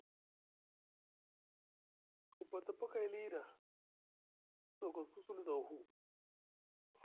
Ku pati paakay li da ku za kosku sulu zaw hu,